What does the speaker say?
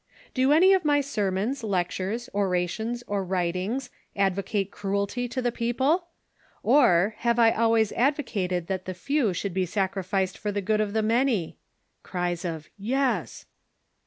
"] Do any of my sermons, lectures, orations or writings advocate cruelty to the people V Or, have I always advo cated that the few should be sacrificed for the good of the many ? [Cries of '•'■ Yes